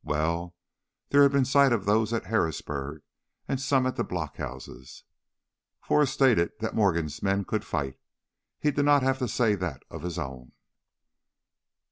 Well, there had been sight of those at Harrisburg and some at the blockhouses. Forrest stated that Morgan's men could fight; he did not have to say that of his own.